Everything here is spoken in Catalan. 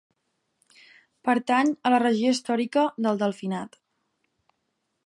Pertany a la regió històrica del Delfinat.